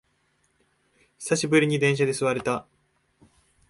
久しぶりに電車で座れた